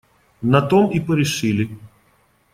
На том и порешили.